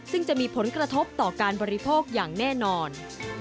ซึ่งจะมีผลกระทบต่อการบริโภคอย่างแน่นอน